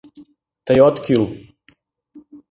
— Тый от кӱл...